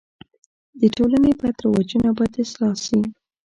د ټولني بد رواجونه باید اصلاح سي.